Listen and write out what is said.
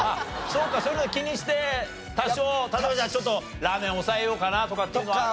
そうかそういうのは気にして多少例えばじゃあちょっとラーメン抑えようかなとかっていうのはある？